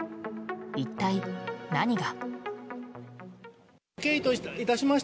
一体何が。